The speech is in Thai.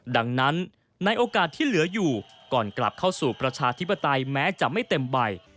ดังนั้นในโอกาสที่เหลืออยู่ก่อนกลับเข้าสู่ประชาธิปไตยแม้จะไม่เต็มใบ